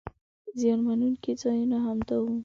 زیان مننونکي ځایونه همدا وو.